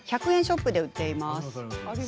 １００円ショップで売ってます。